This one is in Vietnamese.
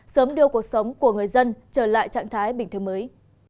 sớm đưa cuộc sống của người dân trở lại trạng thái bình thường mới